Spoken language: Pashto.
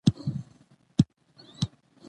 چا به نه وي د نظر اندېښنه کړې